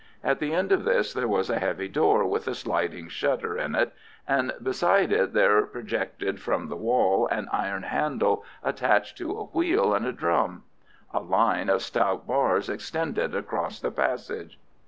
At the end of this there was a heavy door with a sliding shutter in it, and beside it there projected from the wall an iron handle attached to a wheel and a drum. A line of stout bars extended across the passage.